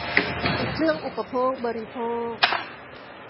เครื่องอุปโภคบริโภค